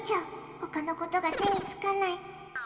他のことが手につかない。